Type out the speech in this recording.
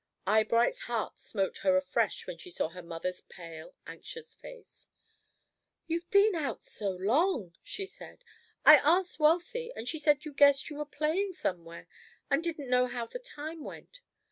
Eyebright's heart smote her afresh when she saw her mother's pale, anxious face. "You've been out so long," she said. "I asked Wealthy, and she said she guessed you were playing somewhere, and didn't know how the time went.